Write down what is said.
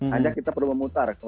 hanya kita perlu memutar